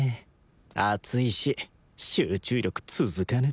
暑いし集中力続かねって！